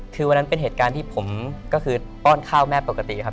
คือวันนั้นเป็นเหตุการณ์ที่ผมก็คือป้อนข้าวแม่ปกติครับ